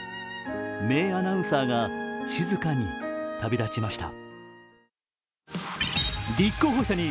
名アナウンサーが静かに旅立ちました。